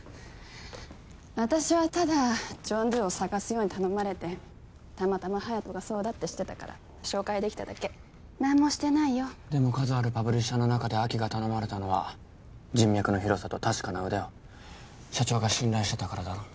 私はただジョン・ドゥを捜すように頼まれてたまたま隼人がそうだって知ってたから紹介できただけ何もしてないよでも数あるパブリッシャーの中で晶が頼まれたのは人脈の広さと確かな腕を社長が信頼してたからだろ？